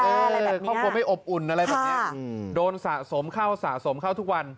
ครอบครัวไม่อบอุ่นอะไรแบบนี้โดนสะสมเข้าสะสมเข้าทุกวัน